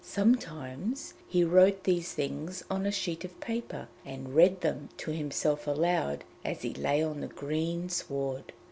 Sometimes he wrote these things on a sheet of paper and read them to himself aloud as he lay on the green sward.